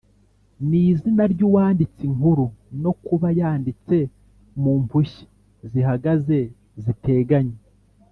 n’izina ry’uwanditse inkuru no kuba yanditse mu mpushya zihagaze ziteganye.